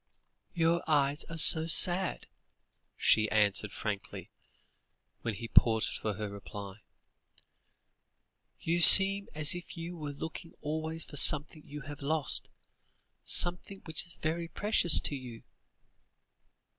"Your eyes are so sad," she answered frankly, when he paused for her reply; "you seem as if you were looking always for something you have lost, something which is very precious to you."